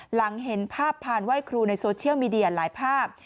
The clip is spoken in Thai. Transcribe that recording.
หลังเห็นภาพผ่านไหว้ครูในโซเชียลมีเดียหลายภาพ